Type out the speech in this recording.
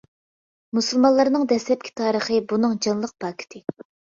مۇسۇلمانلارنىڭ دەسلەپكى تارىخى بۇنىڭ جانلىق پاكىتى.